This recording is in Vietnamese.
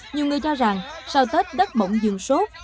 nhiều người cho rằng sau tết đất mộng dường sốt